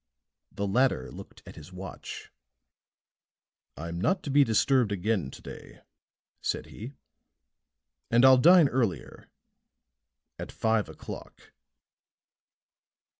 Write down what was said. The latter looked at his watch. "I'm not to be disturbed again to day," said he. "And I'll dine earlier at five o'clock."